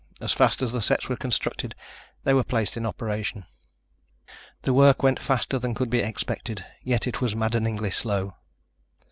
As fast as the sets were constructed, they were placed in operation. The work went faster than could be expected, yet it was maddeningly slow.